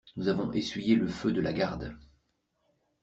Nous avons essuyé le feu de la garde.